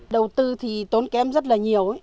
đầu tư thì tốn kém rất là nhiều